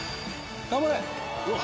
頑張れ！